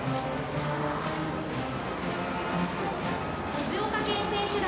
静岡県選手団。